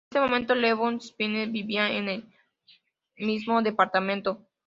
En ese momento Lebón y Spinetta vivían en el mismo departamento.